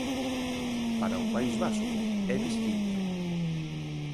Para o País Vasco é distinto.